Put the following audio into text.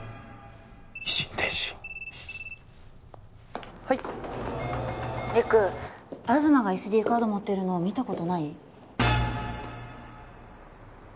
以心伝心はい☎陸東がＳＤカード持ってるの見たことない？